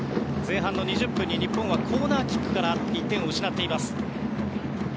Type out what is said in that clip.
前半の２０分に日本はコーナーキックから１点を失っています。